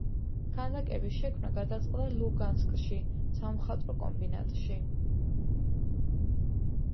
ქანდაკების შექმნა გადაწყდა ლუგანსკში, სამხატვრო კომბინატში.